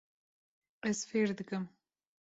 Ez fêr dikim.